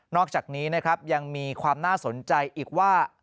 อกจากนี้นะครับยังมีความน่าสนใจอีกว่า